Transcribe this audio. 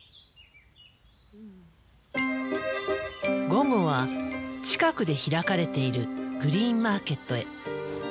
午後は近くで開かれているグリーンマーケットへ。